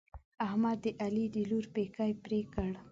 احمد د علي د لور پېکی پرې کړ.